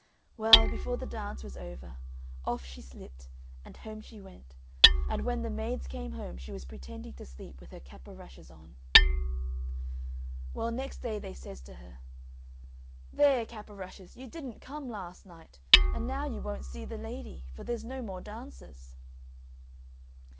Well, before the dance was over, off she slipped, and home she went, and when the maids came home she was pretending to be asleep with her cap o' rushes on. Well, next day they says to her, "There, Cap o' Rushes, you didn't come last night, and now you won't see the lady, for there's no more dances."